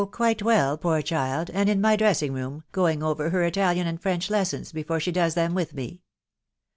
quite well, poor child, and in my dressing room, going over her Italian and French lessons before she does them with me."